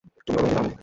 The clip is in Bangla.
তুমি অনুমতি দাওনি।